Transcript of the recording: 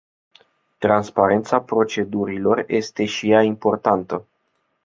Transparența procedurilor este și ea importantă.